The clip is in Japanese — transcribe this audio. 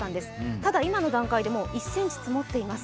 ただ今の段階でもう１ｃｍ積もっています。